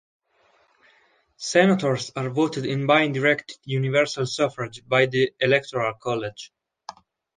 Senators are voted in by indirect universal suffrage by the Electoral college.